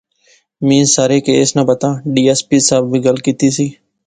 میں سارے کیس ناں پتہ۔۔ ڈی ایس پی صاحب وی گل کیتی سی